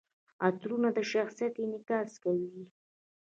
عطرونه د شخصیت انعکاس کوي.